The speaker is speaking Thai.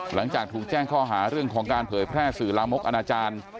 หลังจากถูกแจ้งข้อหาเรื่องของการเผยแพร่สื่อลามกอนาจารย์